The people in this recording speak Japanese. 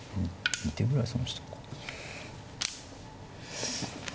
２手ぐらい損したか。